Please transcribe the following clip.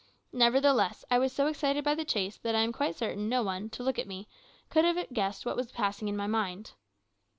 Nevertheless I was so excited by the chase that I am quite certain no one, to look at me, could have guessed what was passing in my mind.